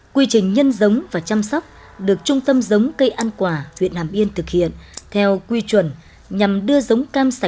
quy trình nhân giống và chăm sóc được trung tâm giống cây ăn quả việt nam yên thực hiện theo quy chuẩn